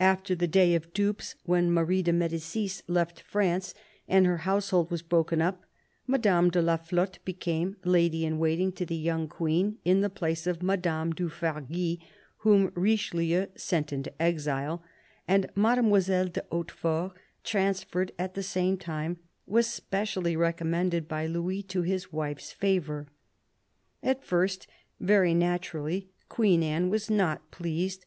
After the " Day of Dupes," when Marie de Medicis left France and her household was broken up, Madame de la Flotte became lady in waiting to the young Queen in the place of Madame du Fargis, whom Richelieu sent into exile ; and Mademoiselle de Hautefort, transferred at the same time, was specially recommended by Louis to his wife's favour. At first, very naturally. Queen Anne was not pleased.